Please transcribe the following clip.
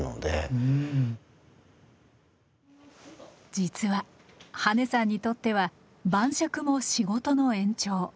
実は羽根さんにとっては晩酌も仕事の延長。